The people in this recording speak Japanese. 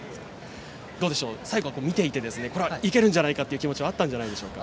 どうでしょう、最後は見ていていけるんじゃないかという気持ちはあったんでしょうか。